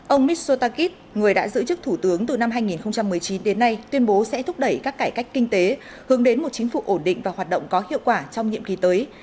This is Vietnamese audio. ông mitsotakit người đã giữ chức thủ tướng từ năm hai nghìn một mươi chín đến nay tuyên bố sẽ thúc đẩy các cải cách kinh tế hướng đến một chính phủ ổn định và hoạt động có hiệu quả trong nhiệm kỳ tới